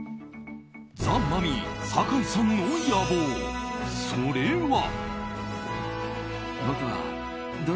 ザ・マミィ酒井さんの野望それは。